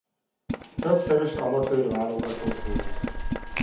Többszörös amatőr válogatott volt.